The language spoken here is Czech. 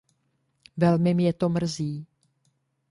Velmi mě to mrzí.